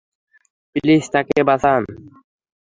Please, তাকে বাঁচান।